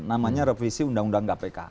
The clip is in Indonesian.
namanya revisi undang undang kpk